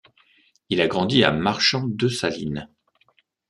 Il a grandi à Marchand-Dessalines.